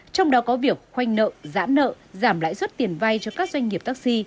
trong đó có việc khoanh nợ giãn nợ giảm lãi suất tiền vai cho các doanh nghiệp